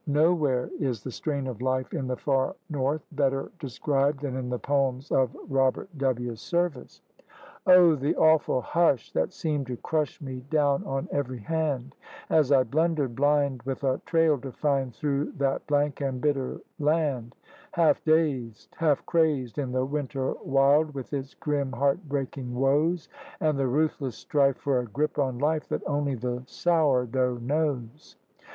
Nowhere is the strain of life in the far north better described than in the poems of Robert W. Service. Oh, the awful hush that seemed to crush me down on every hand, As I blundered blind with a trail to find through that blank and bitter land; Half dazed, half crazed in the winter wild, with its grim heart breaking woes, And the ruthless strife for a grip on life that only the sourdough knows!